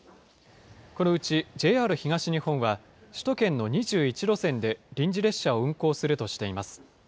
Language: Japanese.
このうちＪＲ東日本は、首都圏の２１路線で、臨時列車を運行するとしています。